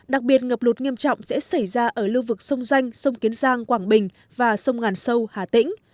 đặc biệt ngập lụt nghiêm trọng sẽ xảy ra ở lưu vực sông danh sông kiến giang quảng bình và sông ngàn sâu hà tĩnh